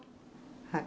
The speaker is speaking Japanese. はい。